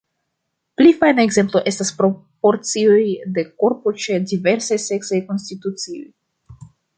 Pli fajna ekzemplo estas proporcioj de korpo ĉe diversaj seksaj konstitucioj.